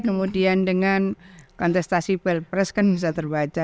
kemudian dengan kontestasi pilpres kan bisa terbaca